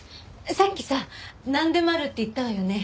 さっきさなんでもあるって言ったわよね？